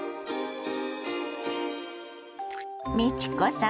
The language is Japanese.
美智子さん